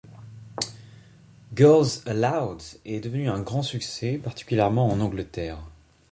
Girls Aloud est devenu un grand succès, particulièrement en Angleterre.